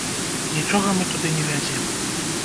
Нічога мы туды не вязем.